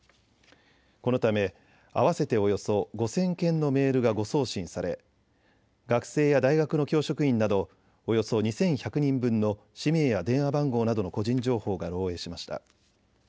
このため合わせておよそ５０００件のメールが誤送信され学生や大学の教職員などおよそ２１００人分の氏名や電話番号などの個人情報が漏えいしました。